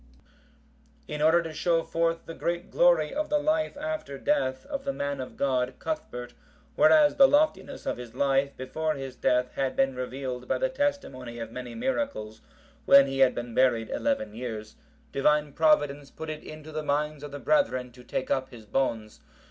] In order to show forth the great glory of the life after death of the man of God, Cuthbert, whereas the loftiness of his life before his death had been revealed by the testimony of many miracles, when he had been buried eleven years, Divine Providence put it into the minds of the brethren to take up his bones.